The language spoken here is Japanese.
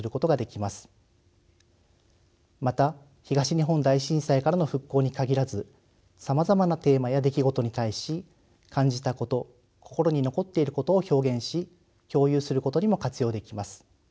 また東日本大震災からの復興に限らずさまざまなテーマや出来事に対し感じたこと心に残っていることを表現し共有することにも活用できます。